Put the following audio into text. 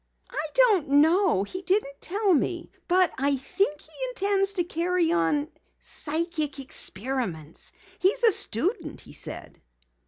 "I don't know. He didn't tell me. But I think he intends to carry on psychic experiments. He's a student, he said."